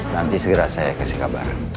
nanti segera saya kasih kabar